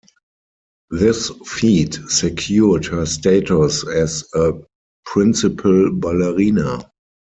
This feat secured her status as a principal ballerina.